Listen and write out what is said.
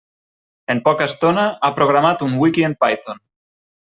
En poca estona, ha programat un wiki en Python.